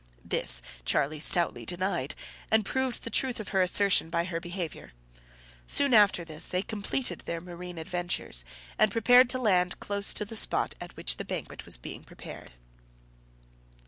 This Charlie stoutly denied, and proved the truth of her assertion by her behaviour. Soon after this they completed their marine adventures, and prepared to land close to the spot at which the banquet was prepared.